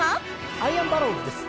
アイアンバローズです。